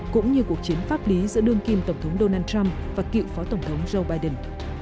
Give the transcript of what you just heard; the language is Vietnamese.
cũng như cuộc chiến pháp lý giữa đương kim tổng thống donald trump và cựu phó tổng thống joe biden